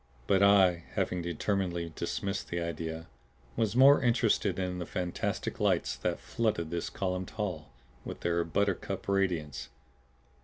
But I, having determinedly dismissed the idea, was more interested in the fantastic lights that flooded this columned hall with their buttercup radiance.